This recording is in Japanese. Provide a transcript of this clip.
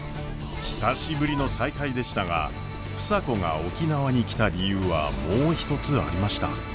久しぶりの再会でしたが房子が沖縄に来た理由はもう一つありました。